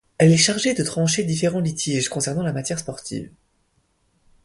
Elle est chargée de trancher différents litiges concernant la matière sportive.